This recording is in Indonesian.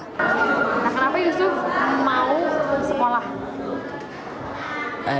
kenapa yusuf mau sekolah